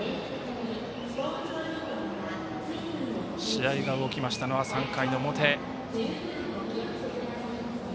試合が動きましたのは３回の表。